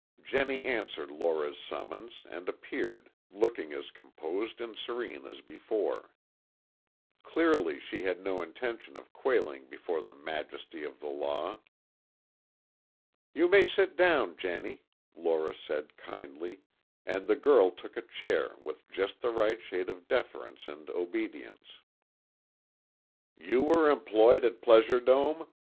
Jennie answered Lora's summons, and appeared, looking as composed and serene as before. Clearly she had no intention of quailing before the majesty of the law. "You may sit down, Jennie," Lora said, kindly, and the girl took a chair with just the right shade of deference and obedience. "You were employed at Pleasure Dome?"